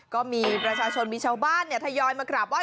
ก็มีประชาชนมีชาวบ้านทยอยมากราบไห้